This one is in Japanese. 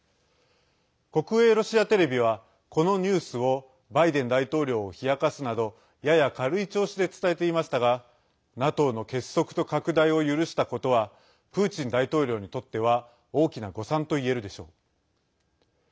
国営ロシアテレビはこのニュースをバイデン大統領を冷やかすなどやや軽い調子で伝えていましたがＮＡＴＯの結束と拡大を許したことはプーチン大統領にとっては大きな誤算といえるでしょう。